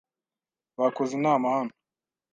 Bakoze inama hano.